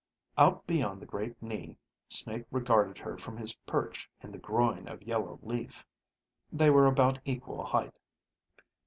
Out beyond the great knee, Snake regarded her from his perch in the groin of yellow leaf. They were about equal height.